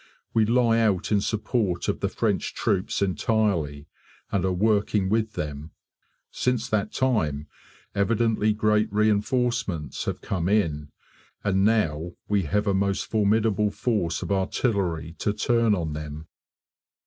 We lie out in support of the French troops entirely, and are working with them. Since that time evidently great reinforcements have come in, and now we have a most formidable force of artillery to turn on them.